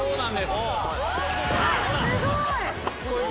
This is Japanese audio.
すごい。